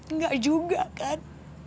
enggak juga kan